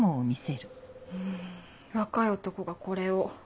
若い男がこれを。